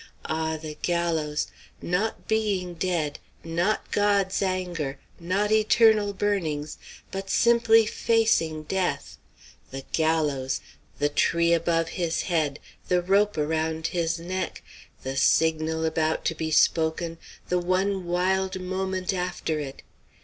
Ah, the gallows! Not being dead not God's anger not eternal burnings; but simply facing death! The gallows! The tree above his head the rope around his neck the signal about to be spoken the one wild moment after it!